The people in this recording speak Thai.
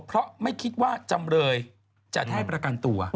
เพราะไม่คิดว่าจำเลยจะได้ประกันตัว